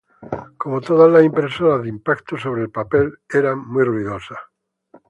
Como todas las impresoras de impacto sobre el papel eran muy ruidosas.